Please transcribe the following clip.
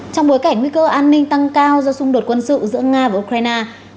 trong bối cảnh nguy cơ an ninh tăng cao do xung đột quân sự giữa nga và ukraine